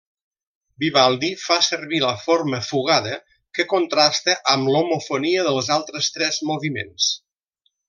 Vivaldi fa servir la forma fugada que contrasta amb l'homofonia dels altres tres moviments.